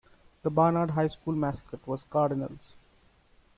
The Barnard High School mascot was Cardinals.